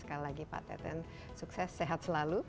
sekali lagi pak teten sukses sehat selalu